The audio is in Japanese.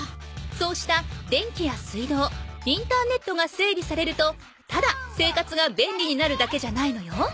そうした電気や水道インターネットがせいびされるとただ生活がべんりになるだけじゃないのよ。